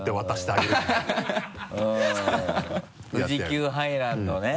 「富士急ハイランド」ね。